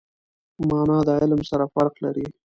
مانا د علم سره فرق لري.